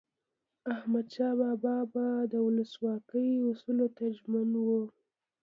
احمدشاه بابا به د ولسواکۍ اصولو ته ژمن و.